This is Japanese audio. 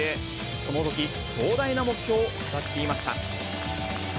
そのとき壮大な目標を語っていました。